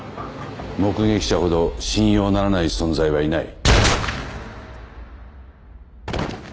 目撃者ほど信用ならない存在はいない。